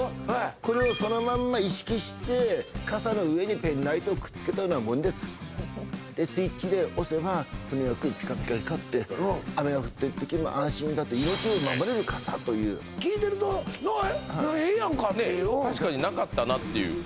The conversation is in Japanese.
これをそのまんま意識して傘の上にペンライトをくっつけたようなもんですでスイッチで押せばピカピカ光って雨が降ってる時も安心だと聞いてると確かになかったなっていう